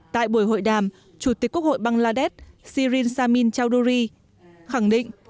tại buổi hội đàm chủ tịch quốc hội bangladesh sirin samin chardouri khẳng định